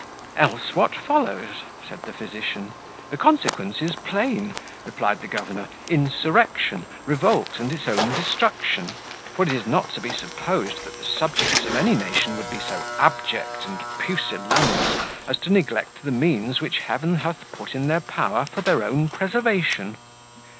"Else, what follows?" said the physician. "The consequence is plain," replied the governor, "insurrection, revolt, and his own destruction; for it is not to be supposed that the subjects of any nation would be so abject and pusillanimous as to neglect the means which heaven hath put in their power for their own preservation."